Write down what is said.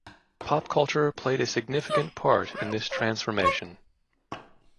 Pop culture played a significant part in this transformation.